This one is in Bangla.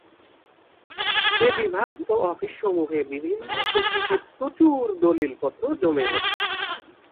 এ বিভাগ ও অফিসসমূহে বিভিন্ন প্রকৃতির প্রচুর দলিলপত্র জমে ওঠে।